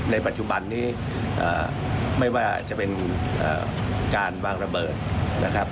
ในปัจจุบันนี้ไม่ว่าจะเป็นการวางระเบิดนะครับ